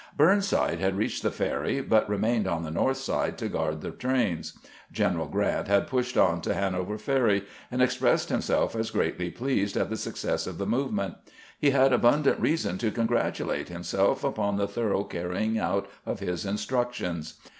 Burnside had reached the ferry, but remained on the north side to guard the trains. Greneral Grant had pushed on to Hanover Ferry, and expressed himself as greatly pleased at the success of the movement. He had abundant reason to congratulate himself upon the thorough carry ing out of his instructions.